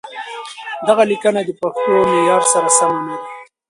دغه ليکنه د پښتو معيار سره سمه نه ده.